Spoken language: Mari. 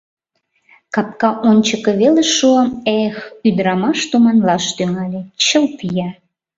Капка ончыко веле шуым... эх ӱдырамаш туманлаш тӱҥале — чылт ия!